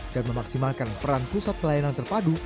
dan memaksimalkan peran pusat pelayanan terpadu